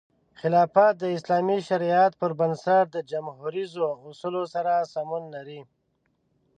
خلافت د اسلامي شریعت پر بنسټ د جموهریزو اصولو سره سمون لري.